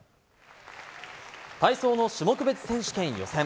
体操の種目別選手権予選。